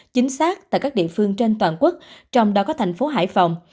chính xác tại các địa phương trên toàn quốc trong đó có thành phố hải phòng